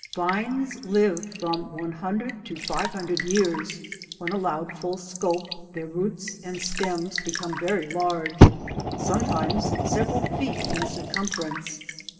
Vines live from 100 to 500 years, when allowed full scope, their roots and steins become very large, some times several feet in circumference.